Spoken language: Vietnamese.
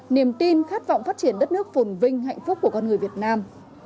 niềm tin khát vọng phát triển đất nước phồn vinh hạnh phúc của con người việt nam